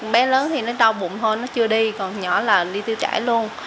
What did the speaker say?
bé lớn thì nó đau bụng thôi nó chưa đi còn nhỏ là đi tiêu chảy luôn